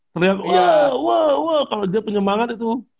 seriakan wah wah wah kalau dia penyemangat itu